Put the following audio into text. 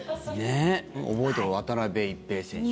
覚えとこう渡辺一平選手。